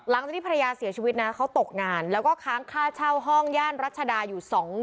หลังจากที่ภรรยาเสียชีวิตนะเขาตกงานแล้วก็ค้างค่าเช่าห้องย่านรัชดาอยู่๒๐๐๐